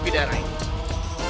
tidak akan kutip kaki